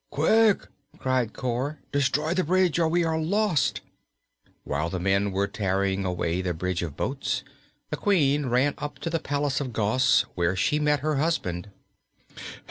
"Quick!" cried Cor. "Destroy the bridge, or we are lost." While the men were tearing away the bridge of boats the Queen ran up to the palace of Gos, where she met her husband.